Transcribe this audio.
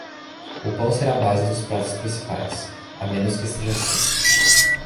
O pão será a base dos pratos principais, a menos que esteja seco.